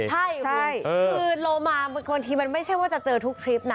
กุฏรโลมาปันที่ไม่ใช่ว่าจะเจอทุกทริปนะ